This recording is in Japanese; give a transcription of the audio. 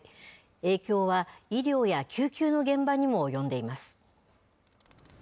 影響は医療や救急の現場にも及んでいます。